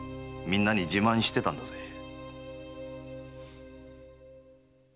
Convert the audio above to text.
みんなに自慢してたんだぜ。